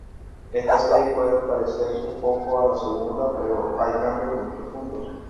Esta serie puede parecerse un poco a la segunda, pero hay cambios muy profundos.